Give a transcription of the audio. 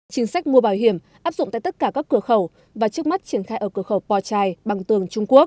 chính sách mua bảo hiểm áp dụng tại tất cả các cửa khẩu và trước mắt triển khai ở cửa khẩu po chai bằng tường trung quốc